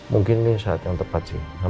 mungkin ini saat yang tepat sih